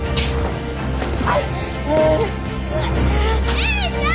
姉ちゃん！